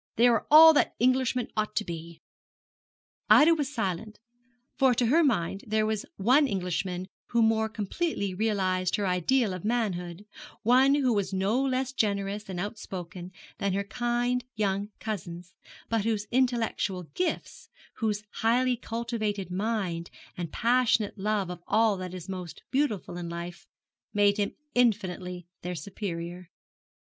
They are all that Englishmen ought to be.' Ida was silent, for to her mind there was one Englishman who more completely realised her ideal of manhood one who was no less generous and outspoken than her kind young cousins, but whose intellectual gifts, whose highly cultivated mind, and passionate love of all that is most beautiful in life, made him infinitely their superior.